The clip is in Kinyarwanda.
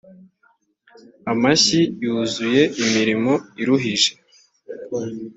amashyi yuzuye imirimo iruhije